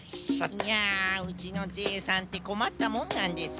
いやうちのジェイさんってこまったもんなんです。